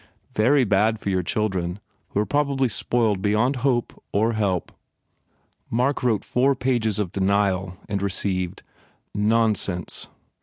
Very bad for the children who are probably spoiled beyond hope or help." Mark wrote four pages of denial and received: "Nonsense!